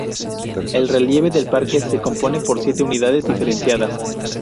El relieve del parque se compone por siete unidades diferenciadas.